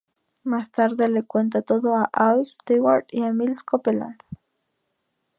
Más tarde le cuenta todo a Alf Stewart y a Miles Copeland.